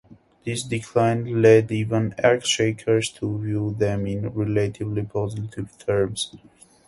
This decline led even ex-Shakers to view them in relatively positive terms.